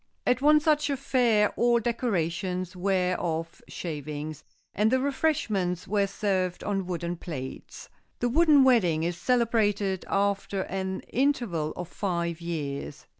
At one such affair all decorations were of shavings, and the refreshments were served on wooden plates. The Wooden Wedding is celebrated after an interval of five years.